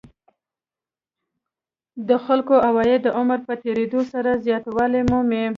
د خلکو عواید د عمر په تېرېدو سره زیاتوالی مومي